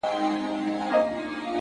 o زما د زړه د كـور ډېـوې خلگ خبــري كوي؛